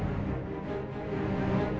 aku sudah berpikir